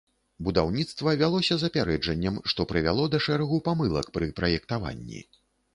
Будаўніцтва вялося з апярэджаннем, што прывяло да шэрагу памылак пры праектаванні.